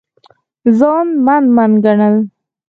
ځان من من ګڼل